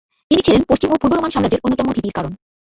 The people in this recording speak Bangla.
তিনি ছিলেন পশ্চিম ও পূর্ব রোমান সাম্রাজের অন্যতম ভীতির কারণ।